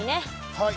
はい。